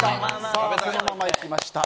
そのままいきました。